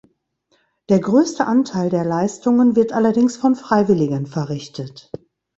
Der größte Anteil der Leistungen wird allerdings von Freiwilligen verrichtet.